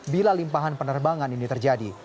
bila limpahan penerbangan ini terjadi